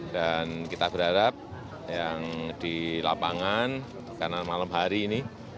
kita berharap yang di lapangan karena malam hari ini